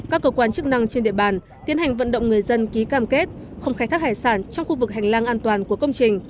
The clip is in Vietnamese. các cơ quan chức năng trên địa bàn tiến hành vận động người dân ký cam kết không khai thác hải sản trong khu vực hành lang an toàn của công trình